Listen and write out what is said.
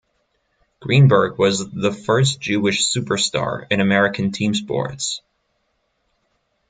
Greenberg was the first Jewish superstar in American team sports.